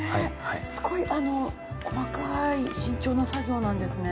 すごいあの細かい慎重な作業なんですね。